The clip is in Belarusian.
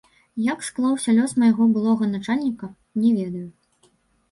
Як склаўся лёс майго былога начальніка, не ведаю.